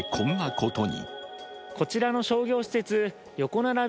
こちらの商業施設、横並び